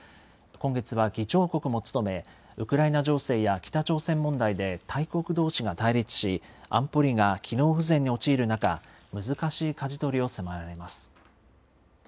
今月は議長国も務め、ウクライナ情勢や北朝鮮問題で大国どうしが対立し、安保理が機能不全に陥る中、難しいかじ取りを迫られます。